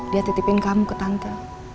dia titipin kamu ke tante